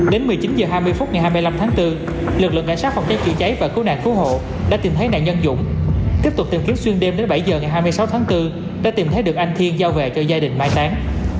đến một mươi chín h hai mươi phút ngày hai mươi năm tháng bốn lực lượng cảnh sát phòng cháy chữa cháy và cứu nạn cứu hộ đã tìm thấy nạn nhân dũng tiếp tục tìm kiếm xuyên đêm đến bảy h ngày hai mươi sáu tháng bốn đã tìm thấy được anh thiên giao về cho gia đình mai táng